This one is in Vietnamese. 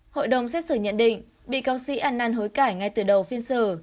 hội đồng xét xử nhận định bị cáo sĩ ăn năn hối cải ngay từ đầu phiên xử